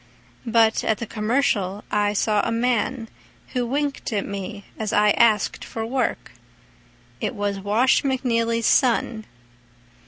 But at the "Commercial" I saw a man Who winked at me as I asked for work— It was Wash McNeely's son.